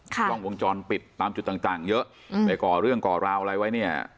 กล้องวงจรปิดตามจุดต่างเยอะไปก่อเรื่องก่อราวอะไรไว้เนี่ย